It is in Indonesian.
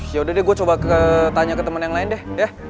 yaudah deh gue coba tanya ke temen yang lain deh ya